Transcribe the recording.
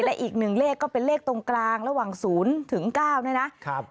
และอีกหนึ่งเลขก็เป็นเลขตรงกลางระหว่าง๐ถึง๙เนี่ยนะครับ